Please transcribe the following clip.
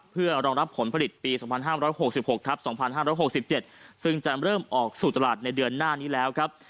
เพื่อรองรับผลผลิตปี๒๕๖๖ทับ๒๕๖๗ซึ่งจะเริ่มออกสู่ตลาดในเดือนหน้านี้แล้วครับ